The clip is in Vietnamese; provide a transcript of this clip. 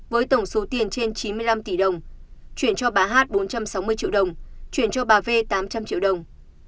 với tổng số tiền trên chín mươi năm tỷ đồng chuyển cho bà hát bốn trăm sáu mươi triệu đồng chuyển cho bà v tám trăm linh triệu đồng